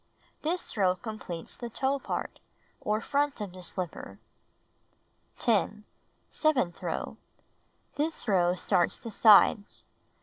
This row completes the toe part, or front of the slipper. 10. Seventh row: This row starts the sides.